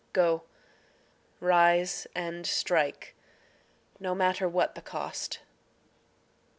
Go; rise and strike, no matter what the cost.